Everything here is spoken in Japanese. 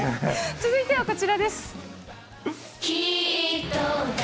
続いてはこちらです。